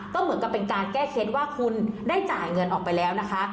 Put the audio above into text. ก็เหมือนกับเป็นการแก้เคล็ดว่าคุณได้จ่ายเงินออกไปแล้วนะคะ